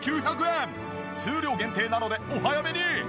数量限定なのでお早めに！